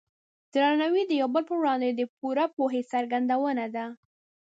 درناوی د یو بل په وړاندې د پوره پوهې څرګندونه ده.